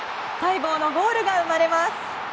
待望のゴールが生まれます。